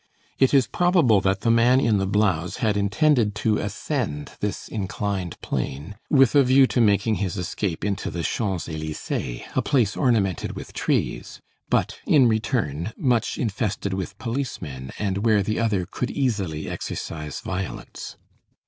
It is probable that the man in the blouse had intended to ascend this inclined plane, with a view to making his escape into the Champs Élysées, a place ornamented with trees, but, in return, much infested with policemen, and where the other could easily exercise violence.